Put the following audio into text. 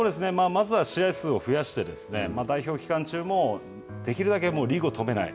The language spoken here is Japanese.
まずは試合数を増やして、代表期間中もできるだけリーグを止めない。